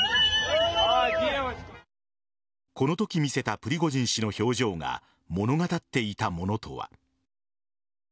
このとき見せたプリゴジン氏の表情が物語っていたものとは。